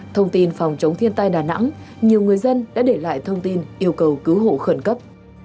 thông tin phòng chống thiên tai đà nẵng nhiều người dân đã để lại thông tin yêu cầu cứu hộ khẩn cấp